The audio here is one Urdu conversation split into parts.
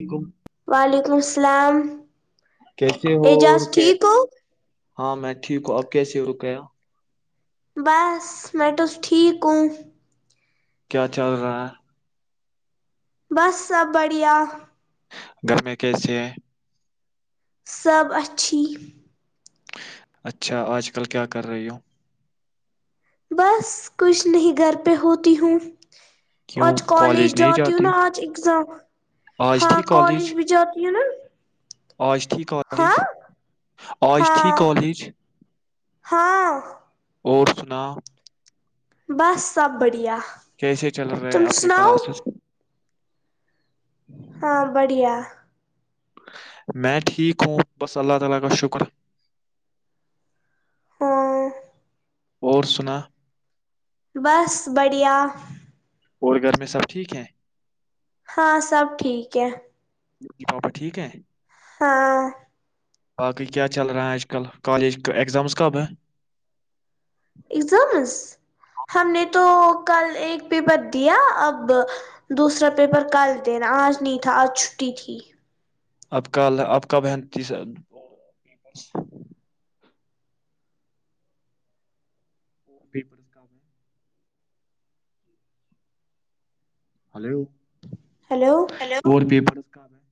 علیکم وعلیکم السلام کیسے ہو اور اعجاز کیا ٹھیک ہو ہاں میں ٹھیک ہوں اب کیسیے ہو رکیا بس میٹس ٹھیک کو کیا چل رہا ہے بس سب بڑھیا گھر میں کیسے ہیں سب اچھی اچھا آج کل کیا کر رہی ہوں بس کچھ نہیں گھر پہ ہوتی ہوں کیوں آج کالج نہیں جاتی ہوں نا ہو آج اگزام آج ہاں تھی کالج بھی جاتی ہوں نا ایجھی ہاں کالججھی ہاں کالج ہاں اور سنا بس سب بڑھیا کیسے چل رہے ہیں تم آپ کے سناؤ کلاسز ہاں بڑھیا میں ٹھیک ہوں بس اللہ تعالی کا شکر [unintelligible] اور سنا بس بڑھیا اور گھر میں سب ٹھیک ہیں ہاں سب ٹھیک ہے پاؤپا ٹھیک ہے ہاں باقی کیا چل رہے ہے آج کل کالج کے اگزامز کب ہیں اگزامس ہم نے تو کل ایک پیپر دیا اب دوسرا پیپر کل دینا آج نہیں تھا آج چھٹی تھی آپ ک آپ کا بہن تی اور ب پرس کام ہے ہلو ہیلو فور پیپر میں ہے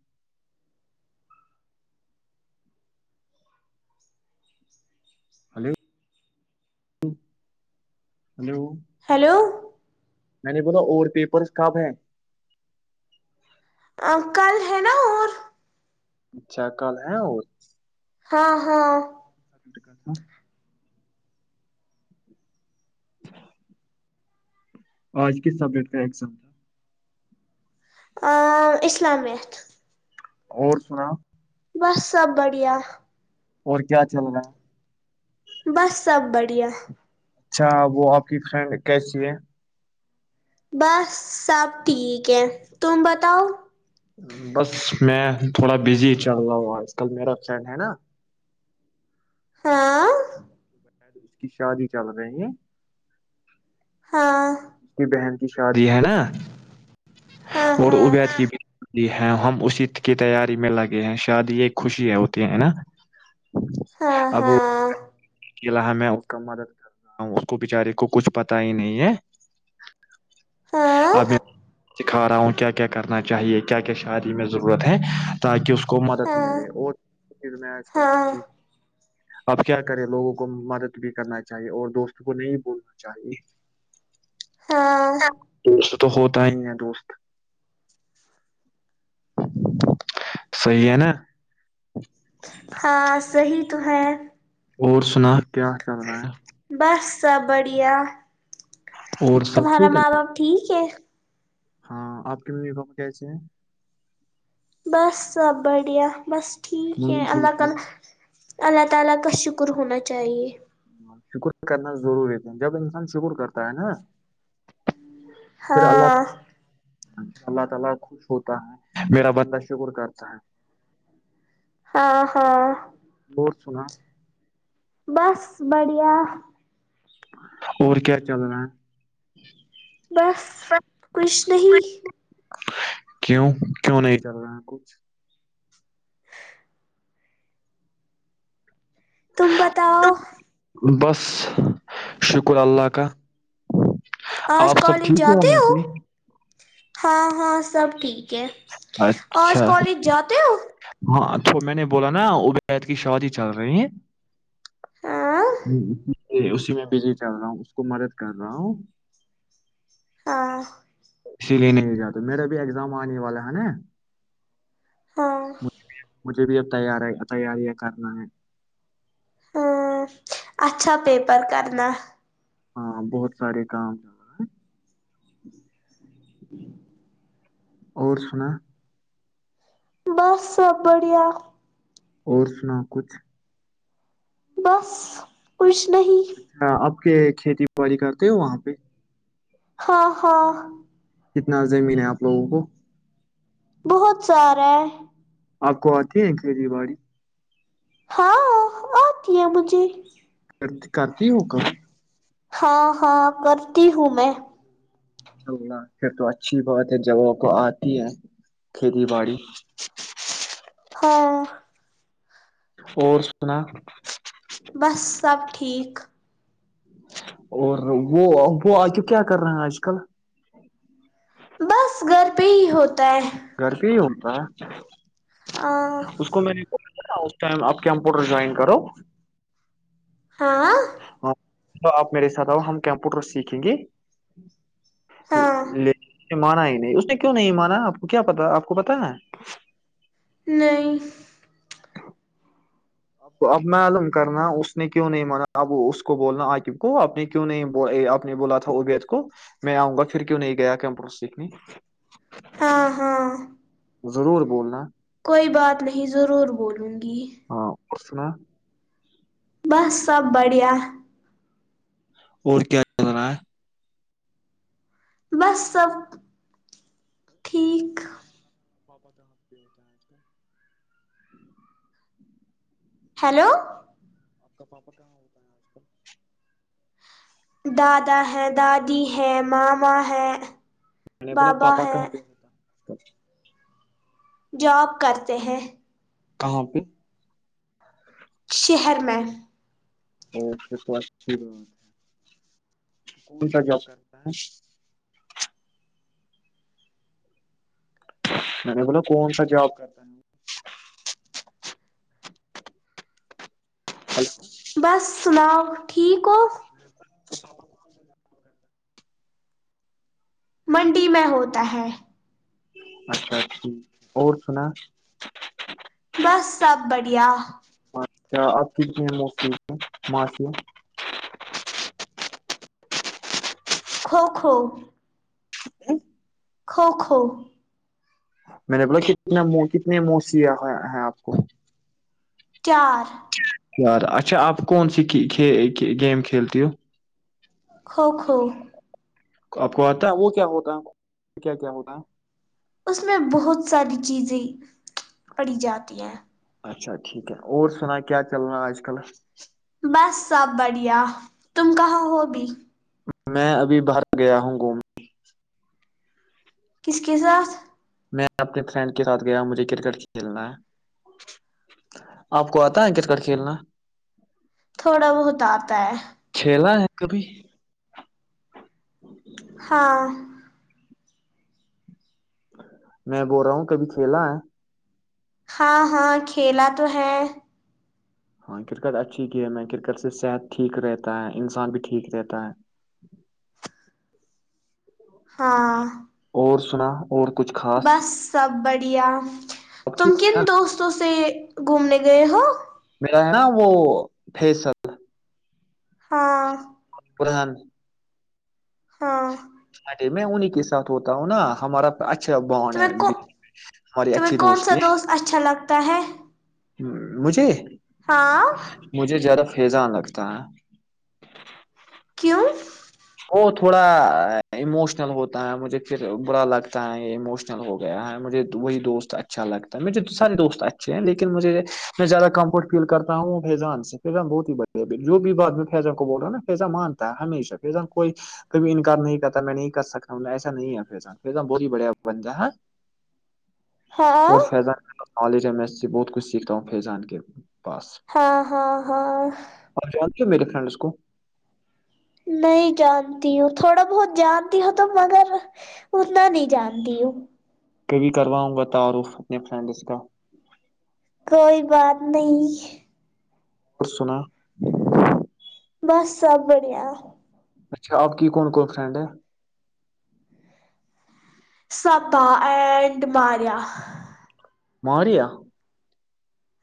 ہلو ہلو ہیلو میں نے بولا اور پیپر کب ہیں کل ہے نا اور اچھا کل ہے اور ہاں ہاں سبجیکٹ کا تھا [unintelligible] آج کس سبجیکٹ کا ایگزام تھا ا اسلامت اور سنا [unintelligible] بس سب بڑھیا اور کیا چل رہا ہے بس سب بڑھیا اچھا وہ آپ کی فرینڈ کیسی ہے بس سب ٹھیک ہے تم بتاؤ [unintelligible] بس میں تھوڑا بزی چل رہا ہوں آج کل میرا فرینڈ ہے نا ہاں [unintelligible] شاید اس کی شادی چل رہے ہیں ہاں [unintelligible] شادی ہے نا ہاں اور ہاں ابیر کی بھی شادی ہے ہم اسی کی تیاری میں لگے ہیں شادی ایک خوشی ہے ہوتی ہے نا ابو ہاں [unintelligible] چلہا میں اس کا مدد کر رہا ہوں اس کو بچارے کو کچھ پتا ہی نہیں ہے ہاں ہاں ابھی [unintelligible] سکھا رہا ہوں کیا کیا کرنا چاہیے کیا کیا شادی میں ضرورت ہے تاکہ اس کو مدد ہاں ملے اور پھر ہاں میںی ہ [unintelligible] آپ کیا کریں لوگوں کو مدد بھی کرنا چاہیے اور دوست کو نہیں بھولنا چاہیے [unintelligible] ہاں دوست تو ہوتا ہی ہے دوست صی ہے نا [unintelligible] ہاں صحی تو ہے اور سنا اتہس چل رہا ہے سبڑیا اور سب تمہارا ٹھیک ہے ماں باپ ٹھیک ہے ہاں آپ کی ممی فم کیسے ہیں بس سب بڑھیا بس ٹھیک ہے ممی اللہ ٹھیک تعالی اللہ تعالی کا شکر ہونا چاہیے شکر کرنا ضروری جب انسان شکر کرتا ہے نا ہاں پنجاب اللہ شکر کرتا ہے ہاں ہاں اور سنا بس بائی بڑیایا اور کیا چل رہا ہے بس کچھ نہیں کیوں کیوں نہیں کر رہے ہیں کچھ تبتاؤ بس شکر اللہ کا آج آپ سب کالج ٹھیک جاتے وہاں ہو پہ ہاں ہاں سب ٹھیک ہے آج اچھا کالج جاتے ہو ہاں تو میں نے بولا نا عبید کی شواد ہی چل رہی ہے ہاں اسی میں بزی چل رہا ہوں اس کو مدد کر رہا ہوں [inaudible] اسی لیے نہیں جات تو میرا بھی ایگزام آنے والا ہے ہ ن [inaudible] ہاں پھر بھی اب تار تیاریاں کرنا ہے ہاں اچھا پیپر کرنا ہاں بہت سارے کام ج رہ ہیں شکری [unintelligible] اور سنا بس سب بڑھیا اور سنا کچھ [inaudible] بس خوش اچھا آپ کہ کھیتی باڑی کرتے ہو وہاں پہ ہاں ہاں کتنا زمین ہے آپ لوگوں کو بہت سارا آپ کو آتی ہے کھیتی باڑی ہاں آتی ہے مجھے کرتی کرتی ہوگا ہاں ہاں کرتی ہوں میں چ پھر تو اچھی بہات ہے جگہ کو آتی ہے کھیتی باڑی ہاں اور سنا بس سب ٹھیک اور وہ وہ آگب کیا کر رہے ہیں آج کل بس گھر پہ ہی ہوتا ہے گھر [inaudible] ہاں اس کو میں نے اس ٹائم آپ کمپوٹر جوائن کرو ہاں ہاں آپ میرے ساتھ آؤ ہم کمپیوٹر سیکھیں گے ہاں ل منئی اس نے کیوں نہیں مانا آپ کو کیا پتا آپ کو پتا ہے نہیں اب معلوم کرنا اس نے کیوں نہیں مانا اب اس کو بولنا عقب کو اپ نے کیوں نہیں آپ نے بولا تھا ابید کو میں آؤں گا پھر کیوں نہیں گیا کمپیوٹر سیکھنے ہاں ہاں ضرور بولنا کوئی بات نہیں ضرور بولو گی [inaudible] بس سب بڑیا اور کیا کر رہا ہے بس سب ٹھیک اچھا [inaudible] ہیلو [inaudible] دادا ہیں دادی ہیں ماما ہے میں نے بول بابا پاپا کہاں ہیں پہ [inaudible] جاب کرتے ہیں کہاں پہ شہر میں اوک تو اچھی کون سا جاب کرتا ہے میں نے بولا کون سا جاب کرتا ہے ہلو بس سناؤ ٹھیک ہو [inaudible] منڈی میں ہوتا ہے اچھا ٹھیک اور سنا بس سب بڑھیا اچھا آب کتنے مکلیجے معافیا کوکھو کوکھو میں نے بولا کتنا کتنے موسییا ہیں آپ کو چار اچھا آپ کون سی گیم کھیلتی ہو کوکھو آپ کو آتا ہے وہ کیا ہوتا ہے کیا کیا ہوتا ہے اس میں بہت ساری چیزیں پڑھی جاتی ہیں ہے اچھا ٹھیک ہے اور سنا کیا چلنا آج کل بس سب بڑھیا تم کہاں ہوگی میں ابھی باہر گیا ہوں گھومنے کس کے ساتھ میں اپنے فرینڈ کے ساتھ گیا مجھے کرکٹ کھیلنا ہے آپ کو آتا ہے کرکٹ کھیلنا تھوڑا بہت آتا ہے کھیلا کبھی ہ ہاں میں بول رہا ہوں کبھی کھیلا ہے ہاں ہاں کھیلا تو ہے ہاں کرکٹ اچھی گیم ہے کرکٹ سے صحت ٹھیک رہتا ہے انسان بھی ٹھیک رہتا ہے ہاں اور سنا اور کچھ خاص دیاں اب تم ٹھیک ہے کن نا دوستوں سے گھومنے گئے ہو نا وہ پس ہاں پوران ہاں میں انہیں کے سات ہوتا ہوں نا ہمارا اچھا بانڈ ہے تمہیں کو ہماری اچھی دوست ت ہے ہ مجھے ہاں مجھے زدا فضان لگتا ہے کیوں وہ تھوڑا اموشنل ہوتا ہے مجھے پھر برا لگتا ہے یہ اموشنل ہو گیا ہے مجھے وہی دوست اچھا لگتا ہے مجھے سارے دوست اچھے ہیں لیکن ن مجھے میں زیادہ کمفرٹ فیل کرتا ہوں فضان سے فان بہت ہی بڑھیا جو بھی بات میں فان کو بول رہا ہوں نا فیضان مانتا ہے ہمیشہ فیضان کوئی کبھی انکار نہیں کرتا میں نہیں کر سکتاوں ایسا نہیں ہے فضان فیضان بہت ہی بڑھیا بن ج ہے ہاں آلی رم بہت کچھ سیکھتا ہوں فیضان کے پاس ہاں ہاں ہاں میے فرینڈس کو نہیں جانتی ہوں تھوڑا بہت جانتی ہوں تو مگر اتنا نہیں جانتی ہوں کبھی کرواؤں گا تعارف اپنے فرینڈز کا کوئی بات نہیں ک سنا بس سب بڑھیا اچھا اپ کی کون کون فرینڈ ہے سپ ا پڈ ماریا [unintelligible] مہوریا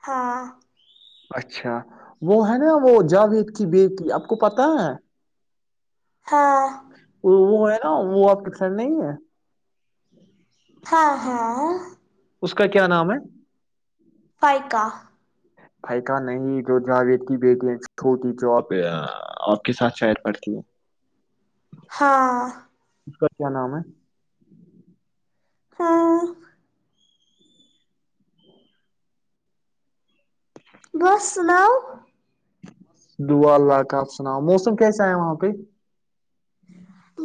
ہاں اچھا وہ ہے نا وہ جاوید کی بی کی آپ کو پت ہے ہاں وہ وہ ہو [unintelligible] وہ آپ پسند نہیں ہے ہاں ہاں اس کا کیا نام ہے فائقہ بھائی کا نہیں جو جاوید کی بیٹیھوٹی جو آپ آپ کے ساتھ شیر پڑتی ہیں ہاں اس کا کیا نام ہے ہاں بس سلاؤ دعا اللہ کا آپ سناؤ موسم کیسا ہے وہاں پہ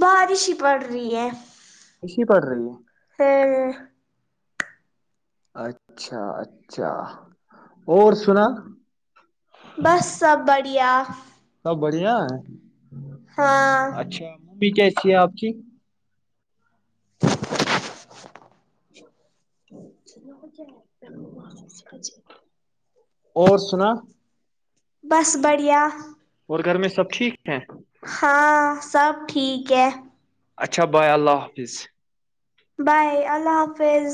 بارش ہی پڑ رہی ہے خشی پڑ رہی ہے ہاں ہ اچھا اچھا اور سنا بس سب بڑھیا سب بڑھیا ہاں اچھا امی کیسی ہے آپ کی [inaudible] [inaudible] [inaudible] [inaudible] اور سنا بس بڑھیا اور گھر میں سب ٹھیک ہے ہاں سب ٹھیک ہے اچھا بائے اللہ حافظ بائے اللہ حافظ